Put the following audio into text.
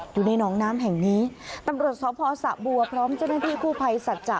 อยู่ในหนองน้ำแห่งนี้ตำรวจสพสะบัวพร้อมเจ้าหน้าที่กู้ภัยสัจจะ